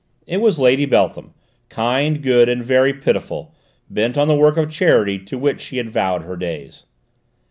It was Lady Beltham, kind, good and very pitiful, bent on the work of charity to which she had vowed her days.